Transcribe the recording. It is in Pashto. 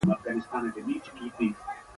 انسان د فکر له لارې وده کوي.